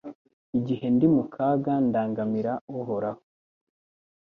Igihe ndi mu kaga ndangamira Uhoraho